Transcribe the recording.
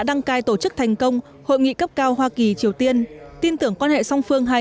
đăng cai tổ chức thành công hội nghị cấp cao hoa kỳ triều tiên tin tưởng quan hệ song phương hai